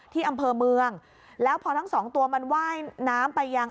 ที่อำเภอเมืองแล้วพอทั้งสองตัวมันว่ายน้ำไปยัง